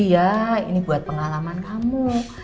iya ini buat pengalaman kamu